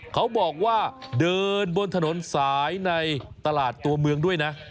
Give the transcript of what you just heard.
เขาบอกว่าเดินบนถนนสายในตลาดตัวเมืองด้วยนะ